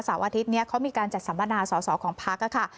เสาร์อาทิตย์เนี่ยเขามีการจัดสัมพนาสสอสอของพักค่ะ